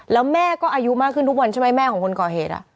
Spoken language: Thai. แล้วแม่ก็อายุมากขึ้นทุกวันใช่ไหมแม่ของคนก่อเหตุ